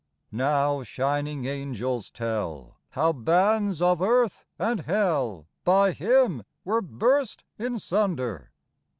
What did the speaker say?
no Now shining angels tell How bands of earth and hell By Him were burst in sunder.